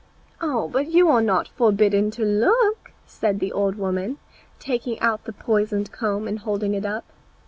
"But you are not forbidden to look," said the old woman, taking out the poisoned comb and holding it up.